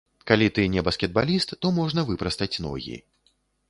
Калі ты не баскетбаліст, то можна выпрастаць ногі.